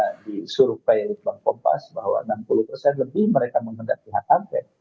karena disurvey bang pompas bahwa enam puluh lebih mereka mengendalikan hak angkat